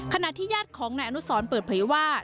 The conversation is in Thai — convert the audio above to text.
ขณะที่ญาติของนายอนุสรเปิดเผยว่า